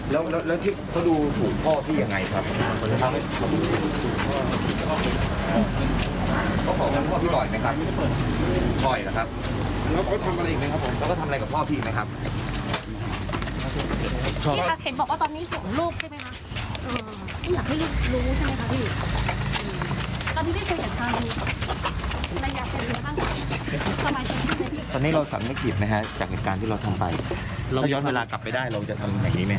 แล้วเขาทำอะไรกับพ่อพี่ไหมครับ